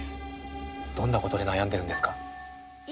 どんなことで悩んでるんですか？